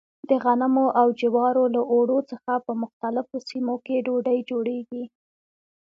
د غنمو او جوارو له اوړو څخه په مختلفو سیمو کې ډوډۍ جوړېږي.